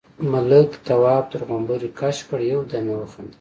ملک، تواب تر غومبري کش کړ، يو دم يې وخندل: